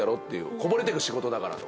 こぼれてく仕事だからと。